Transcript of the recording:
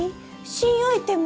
新アイテム！